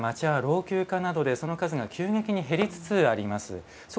今、町家は老朽化などでその数が急激に減りつつあります。